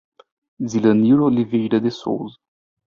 Zilanir Oliveira de Souza